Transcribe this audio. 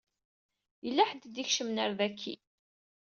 Yella ḥedd i d-ikecmen ar daki.